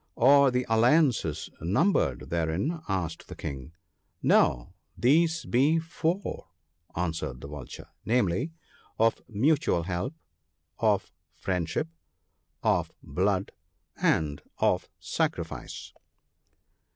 ' Are the alliances numbered therein ?' asked the King. No ! these be four/ answered the Vulture, ' namely — of mutual help — of friendship — of blood — and of sacrifice.